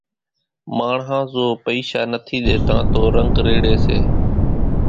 ماڻۿان زو پئيشا نٿي ۮيتان تو رنگ ريڙي سي